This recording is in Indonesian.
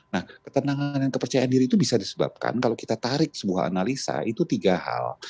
nah ketenangan dan kepercayaan diri itu bisa disebabkan kalau kita tarik sebuah analisa itu tiga hal